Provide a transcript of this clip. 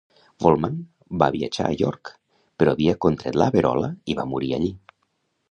Woolman va viatjar a York, però havia contret la verola i va morir allí.